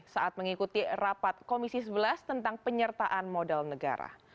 saat mengikuti rapat komisi sebelas tentang penyertaan modal negara